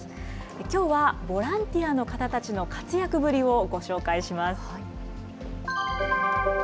きょうはボランティアの方たちの活躍ぶりをご紹介します。